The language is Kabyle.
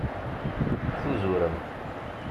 Tuzurem.